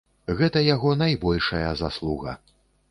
Гэта яго найбольшая заслуга.